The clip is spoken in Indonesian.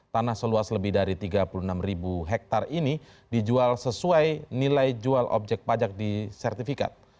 tanah seluas lebih dari tiga puluh enam hektare ini dijual sesuai nilai jual objek pajak di sertifikat